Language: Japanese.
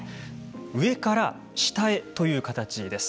上から下という形です。